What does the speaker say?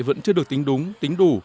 vẫn chưa được tính đúng tính đủ